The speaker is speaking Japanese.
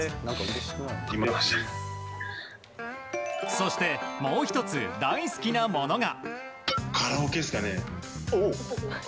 そして、もう１つ大好きなものが。